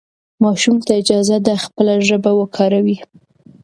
ماشوم ته اجازه ده خپله ژبه وکاروي.